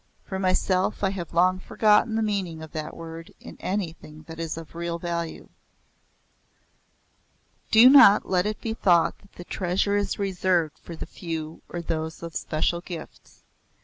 For myself I have long forgotten the meaning of that word in anything that is of real value. Do not let it be thought that the treasure is reserved for the few or those of special gifts.